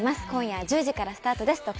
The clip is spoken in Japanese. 今夜１０時からスタートです。